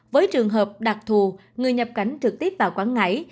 với trường hợp đặc thù người nhập cảnh trực tiếp vào quảng ngãi